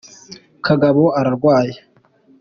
kagabo ararwaye